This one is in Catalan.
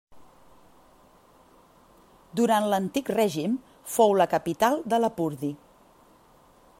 Durant l'Antic Règim fou la capital de Lapurdi.